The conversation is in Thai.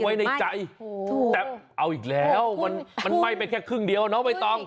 ไว้ในใจแต่เอาอีกแล้วมันไหม้ไปแค่ครึ่งเดียวน้องใบตอง